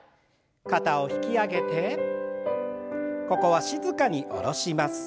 肩を引き上げてここは静かに下ろします。